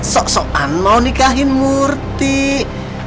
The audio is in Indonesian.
sok sokan mau nikahin murti